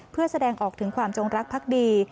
เพื่อแสดงออกถึงความจงรักพักดี